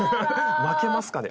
巻けますかね？